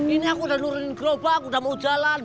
ini aku udah nurun gerobak udah mau jalan